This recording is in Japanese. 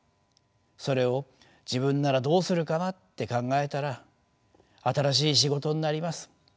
それを自分ならどうするかなって考えたら新しい仕事になります。